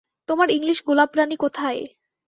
তোমার ইংলিশ গোলাপরানি কোথায়?